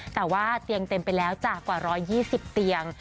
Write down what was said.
แต่ว่าเตียงเต็มไปแล้วจากกว่า๑๒๐เตียง